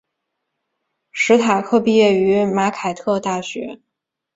史塔克毕业于马凯特大学。